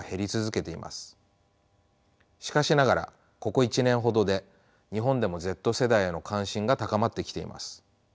しかしながらここ１年ほどで日本でもＺ世代への関心が高まってきています。